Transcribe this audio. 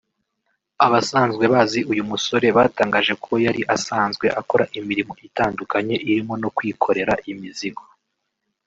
Abasanzwe bazi uyu musore batangaje ko yari asanzwe akora imirimo itandukanye irimo no kwikorera imizigo